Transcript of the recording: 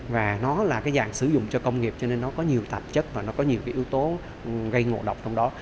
và nó là cái dạng sử dụng cho công nghiệp cho nên nó có nhiều tạp chất và nó có nhiều cái yếu tố gây ngộ độc trong đó